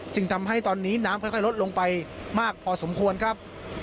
ทำให้ตอนนี้น้ำค่อยลดลงไปมากพอสมควรครับ